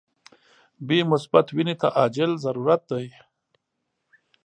بی مثبت وینی ته عاجل ضرورت دي.